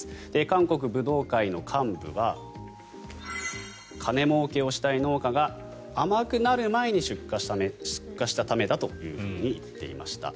韓国ブドウ会の幹部は金もうけをしたい農家が甘くなる前に出荷したためだと言っていました。